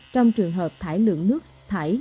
trong trường hợp thải lượng nước thải